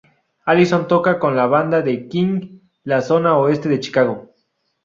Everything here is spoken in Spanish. Allison toca con la banda de King la zona oeste de Chicago.